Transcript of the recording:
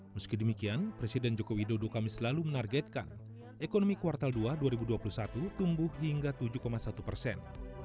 meski demikian presiden joko widodo kami selalu menargetkan ekonomi kuartal dua dua ribu dua puluh satu tumbuh hingga tujuh satu persen